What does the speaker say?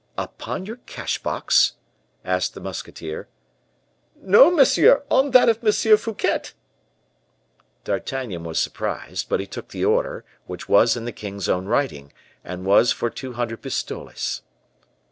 "Upon your cash box?" asked the musketeer. "No, monsieur; on that of M. Fouquet." D'Artagnan was surprised, but he took the order, which was in the king's own writing, and was for two hundred pistoles.